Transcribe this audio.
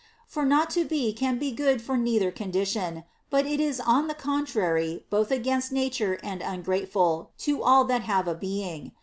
For not to be can be good for neither condition, but is on the contrary both against nature and ungrateful to all that have a being.